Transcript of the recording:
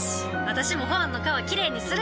私もホアンの川きれいにする！